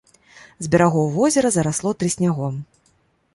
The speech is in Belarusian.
З берагоў возера зарасло трыснягом.